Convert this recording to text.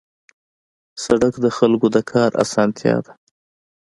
سړک د خلکو د کار اسانتیا ده.